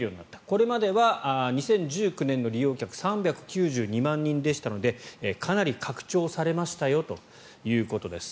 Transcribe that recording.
これまでは２０１９年の利用客３９２万人でしたのでかなり拡張されましたよということです。